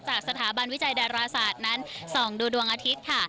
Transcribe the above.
จากสถาบันวิจัยดาราศาสตร์นั้นส่องดูดวงอาทิตย์ค่ะ